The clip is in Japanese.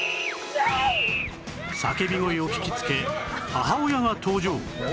叫び声を聞きつけ母親が登場！